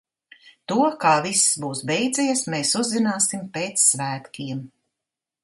To, kā viss būs beidzies, mēs uzzināsim pēc svētkiem.